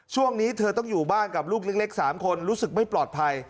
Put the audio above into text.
ช่วงนี้เธอต้องอยู่บ้านกับลูกเล็ก๓คนรู้สึกไม่ปลอดภัย